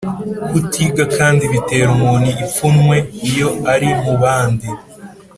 kutiga kandi bitera umuntu ipfunwe iyo ari mu bandi